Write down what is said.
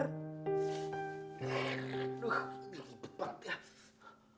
aduh mampus banget ya